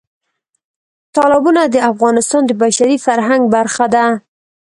تالابونه د افغانستان د بشري فرهنګ برخه ده.